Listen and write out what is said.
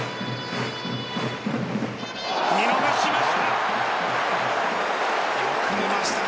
見逃しました。